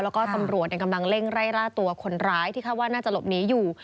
แล้วก็ตำรวจกำลังเร่งไล่ล่าตัวคนร้ายที่คาดว่าน่าจะหลบหนีอยู่